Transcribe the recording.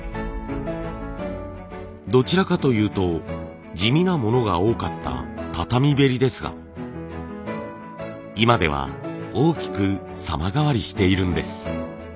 どちらかというと地味なものが多かった畳べりですが今では大きく様変わりしているんです。